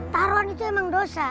taruhan itu emang dosa